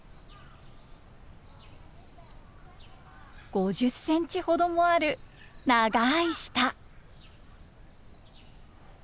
５０センチほどもある長い舌。